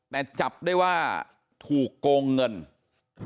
แต่จับได้ว่าถูกโกงเงินแต่จับได้ว่าถูกโกงเงิน